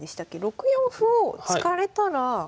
６四歩を突かれたら。